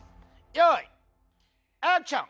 用意アクション！